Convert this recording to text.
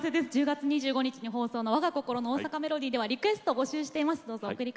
１０月２５日放送の「わが心の大阪メロディー」では皆様からのリクエストを募集しています。